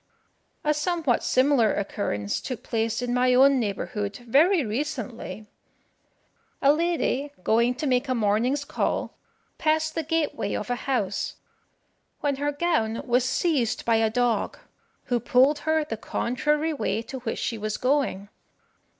A somewhat similar occurrence took place in my own neighbourhood, very recently. A lady, going to make a morning's call, passed the gateway of a house, when her gown was seized by a dog, who pulled her the contrary way to which she was going.